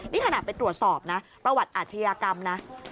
นี่ขนาดไปตรวจสอบนะประวัติอาชญากรรมนะ